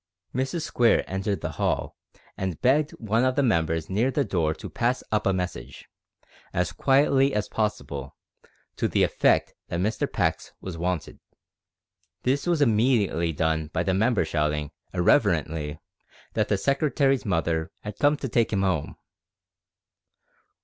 Mrs Square entered the hall, and begged one of the members near the door to pass up a message as quietly as possible to the effect that Mr Pax was wanted. This was immediately done by the member shouting, irreverently, that the secretary's mother "'ad come to take 'im 'ome."